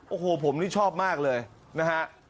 โอ้โหผมนี่ชอบมากเลยนะฮะ